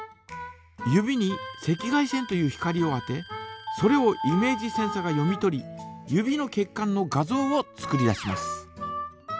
指に赤外線という光を当てそれをイメージセンサが読み取り指の血管の画像を作り出します。